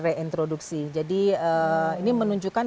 reintroduksi jadi ini menunjukkan